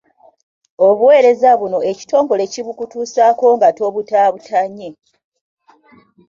Obuweereza buno ekitongole kibukutuusaako nga tobutaabutanye.